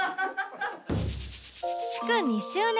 祝２周年！